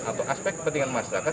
atau aspek kepentingan masyarakat